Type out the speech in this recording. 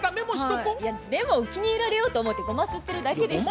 いやでも気に入られようと思ってゴマすってるだけでしょ。